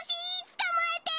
つかまえて。